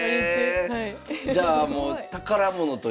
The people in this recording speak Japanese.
じゃあもう宝物というか。